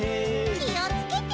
きをつけて。